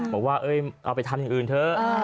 บอกว่าเอาไปทำอย่างอื่นเถอะ